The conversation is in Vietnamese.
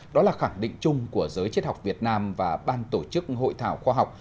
đó là khẳng định chung của giới chết học việt nam và ban tổ chức hội thảo khoa học